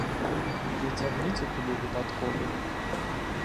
Не цягніце туды выпадковых.